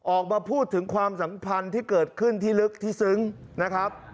ออกมาพูดถึงความสัมพันธ์ที่เกิดขึ้นที่ลึกที่ซึ้งนะครับ